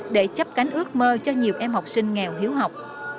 để chấp cánh ước mơ cho nhiều em học sinh nghèo hiếu học